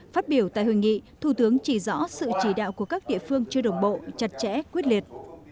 phát biểu tại hội nghị thủ tướng chỉ rõ sự chỉ đạo của các địa phương chưa đồng bộ chặt chẽ quyết liệt